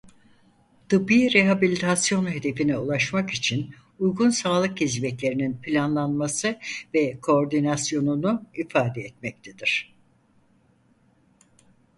Tıbbi rehabilitasyon hedefine ulaşmak için uygun sağlık hizmetlerinin planlanması ve koordinasyonunu ifade etmektedir.